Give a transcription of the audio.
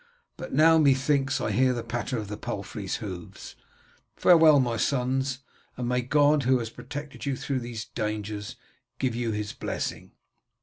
But now methinks I hear the patter of the palfreys' hoofs. Farewell, my sons, and may God who has protected you through these dangers give you his blessing."